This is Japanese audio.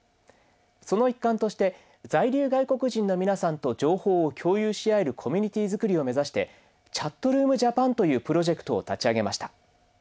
その一環として在留外国人の皆さんと情報を共有し合えるコミュニティー作りを目指して「ＣｈａｔｒｏｏｍＪａｐａｎ」というプロジェクトを立ち上げました。